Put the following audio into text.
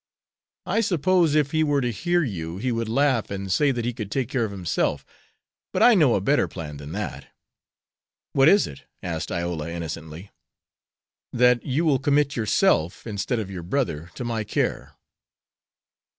"I suppose if he were to hear you he would laugh, and say that he could take care of himself. But I know a better plan than that." "What is it?" asked Iola, innocently. "That you will commit yourself, instead of your brother, to my care."